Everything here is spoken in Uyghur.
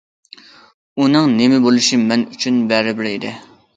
ئۇنىڭ نېمە بولۇشى مەن ئۈچۈن بەرىبىر ئىدى.